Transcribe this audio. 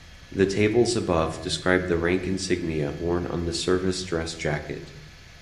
The tables above describe the rank insignia worn on the service dress jacket.